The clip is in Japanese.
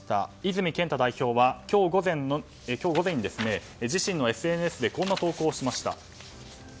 泉健太代表は今日午前に自身のＳＮＳでこんな投稿をしました。